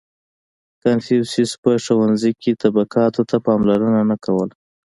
• کنفوسیوس په ښوونځي کې طبقاتو ته پاملرنه نه کوله.